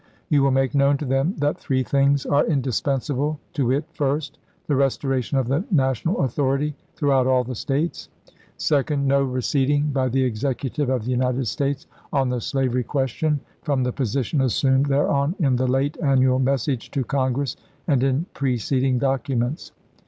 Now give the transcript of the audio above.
You will make known to them that three things are indispensable, to wit : First The restoration of the national authority throughout all the States. Second. No receding by the Executive of the United States on the slavery question from the position assumed thereon in the late annual message to Congress, and in preceding documents.